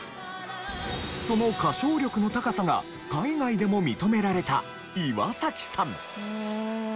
その歌唱力の高さが海外でも認められた岩崎さん。